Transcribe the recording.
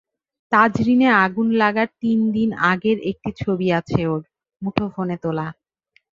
তাজরীনে আগুন লাগার তিন দিন আগের একটি ছবি আছে ওর, মুঠোফোনে তোলা।